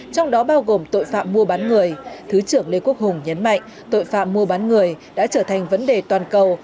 trong đó bao gồm tội phạm mua bán người thứ trưởng lê quốc hùng nhấn mạnh tội phạm mua bán người đã trở thành vấn đề toàn cầu